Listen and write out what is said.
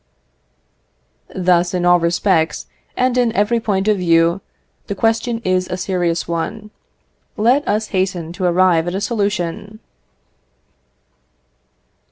Thus, in all respects, and in every point of view, the question is a serious one. Let us hasten to arrive at a solution.